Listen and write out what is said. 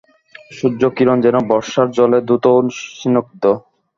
সূর্যকিরণ যেন বর্ষার জলে ধৌত ও সিনগ্ধ।